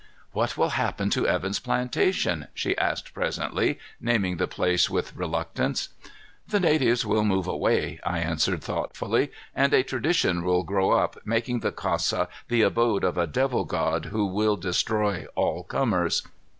"What will happen to Evan's plantation?" she asked presently, naming the place with reluctance. "The natives will move away," I answered thoughtfully, "and a tradition will grow up, making the casa the abode of a devil god who will destroy all comers.